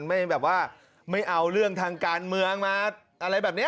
ไม่แบบว่าไม่เอาเรื่องทางการเมืองมาอะไรแบบนี้